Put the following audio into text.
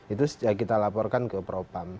itu kita laporkan ke propam